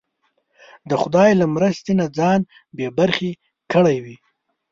د خدای له مرستې نه ځان بې برخې کړی وي.